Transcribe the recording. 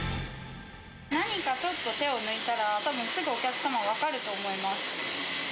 何かちょっと手を抜いたら、たぶん、すぐお客様は分かると思います。